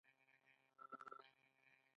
مصنوعي ځیرکتیا د انساني تجربو نوی انځور جوړوي.